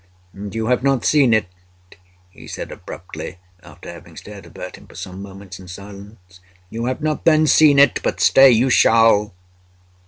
"And you have not seen it?" he said abruptly, after having stared about him for some moments in silence—"you have not then seen it?—but, stay! you shall."